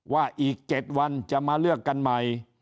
ว่าอีก๗วันจะมาเลือกกันใหม่